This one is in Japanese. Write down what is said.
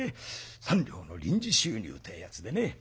３両の臨時収入ってえやつでねありがたい。